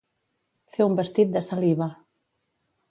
Fer un vestit de saliva.